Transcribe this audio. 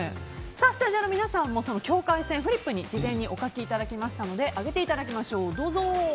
スタジオの皆さんも境界線フリップにお書きいただきましたので上げていただきましょう。